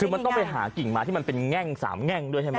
คือมันต้องไปหากิ่งม้าที่มันเป็นแง่ง๓แง่งด้วยใช่ไหม